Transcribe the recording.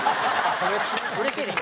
うれしいです。